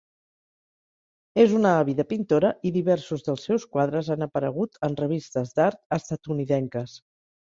És una àvida pintora i diversos dels seus quadres han aparegut en revistes d'art estatunidenques.